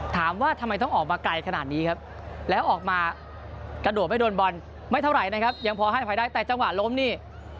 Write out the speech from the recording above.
ถามว่าทำไมต้องออกมาไกลขนาดนี้ครับแล้วออกมากระโดดไม่โดนบอลไม่เท่าไหร่นะครับยังพอให้อภัยได้แต่จังหวะล้มนี่